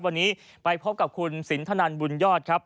วันนี้ไปพบกับคุณสินทนันบุญยอดครับ